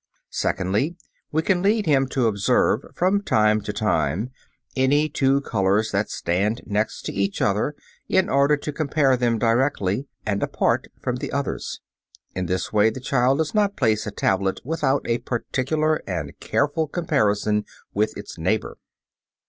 Secondly, we can lead him to observe from time to time any two colors that stand next to each other in order to compare them directly and apart from the others. In this way the child does not place a tablet without a particular and careful comparison with its neighbor.